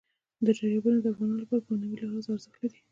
دریابونه د افغانانو لپاره په معنوي لحاظ ارزښت لري.